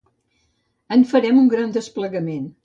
En farem un gran desplegament.